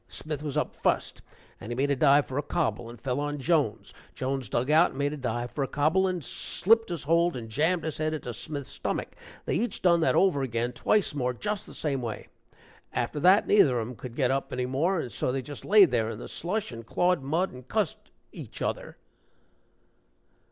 Smith was up fust, and he made a dive for a cobble and fell on Jones; Jones dug out and made a dive for a cobble, and slipped his hold and jammed his head into Smith's stomach. They each done that over again, twice more, just the same way. After that, neither of 'em could get up any more, and so they just laid there in the slush and clawed mud and cussed each other."